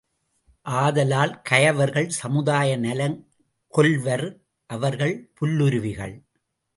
ஆதலால், கயவர்கள் சமுதாய நலங் கொல்வர் அவர்கள் புல்லுருவிகள்!